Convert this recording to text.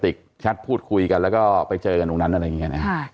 เพื่อดูที่ชัดพูดคุยกันแล้วก็ไปเจอกันเท่านั้นอะไรแบบเนี่ยนะครับ